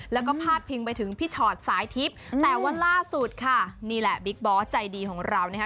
แล้วก็พาดพิงไปถึงพี่ชอตสายทิพย์แต่ว่าล่าสุดค่ะนี่แหละบิ๊กบอสใจดีของเรานะคะ